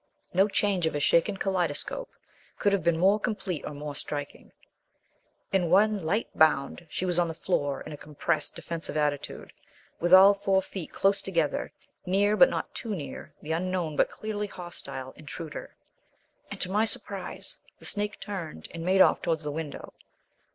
No change of a shaken kaleidoscope could have been more complete or more striking. In one light bound she was on the floor in a compressed, defensive attitude, with all four feet close together, near, but not too near, the unknown but clearly hostile intruder; and to my surprise, the snake turned and made off towards the window.